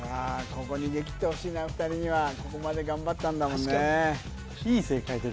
ここ逃げきってほしいな２人にはここまで頑張ったんだもんね